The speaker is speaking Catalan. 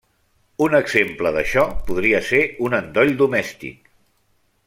Un exemple d'això podria ser un endoll domèstic.